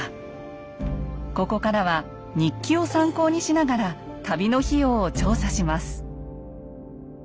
ここからは日記を参考にしながら旅の費用を調査します。